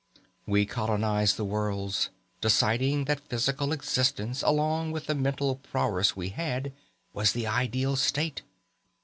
"We colonized the worlds, deciding that physical existence, along with the mental prowess we had, was the ideal state.